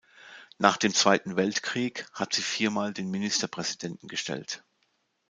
Nach dem Zweiten Weltkrieg hat sie viermal den Ministerpräsidenten gestellt.